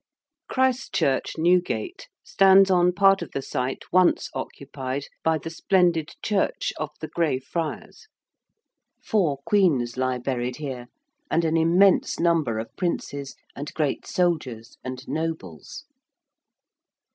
Christ Church, Newgate, stands on part of the site once occupied by the splendid church of the Grey Friars. Four Queens lie buried here, and an immense number of princes and great soldiers and nobles.